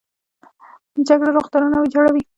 جګړه روغتونونه ویجاړوي